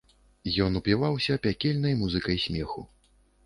Ён упіваўся пякельнай музыкай смеху.